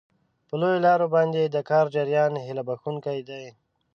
په لویو لارو باندې د کار جریان هیله بښونکی دی.